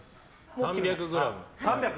３００ｇ。